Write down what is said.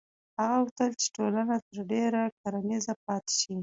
هغه غوښتل چې ټولنه تر ډېره کرنیزه پاتې شي.